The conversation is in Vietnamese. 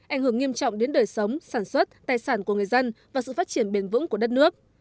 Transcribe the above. ảnh hưởng nghiêm trọng đến đời sống sản xuất tài sản của người dân và sự phát triển bền vững của đất nước